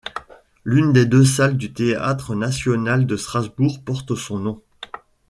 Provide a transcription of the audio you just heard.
L'une des deux salles du Théâtre national de Strasbourg porte son nom.